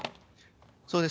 そうです。